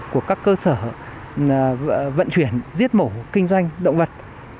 của các cơ sở vận chuyển giết mổ kinh doanh động vật